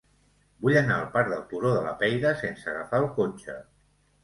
Vull anar al parc del Turó de la Peira sense agafar el cotxe.